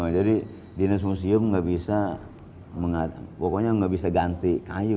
jadi dinas museum gak bisa mengatakan pokoknya gak bisa ganti kayu